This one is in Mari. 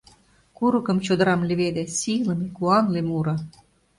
Курыкым, чодырам леведе Сийлыме куанле муро.